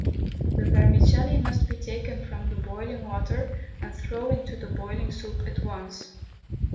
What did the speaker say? The vermicelli must be taken from the boiling water and thrown into the boiling soup at once.